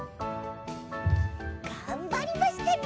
がんばりましたね。